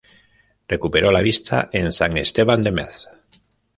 Recuperó la vista en San Esteban de Metz.